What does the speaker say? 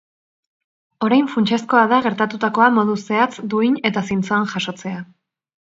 Orain funtsezkoa da gertatutakoa modu zehatz, duin eta zintzoan jasotzea.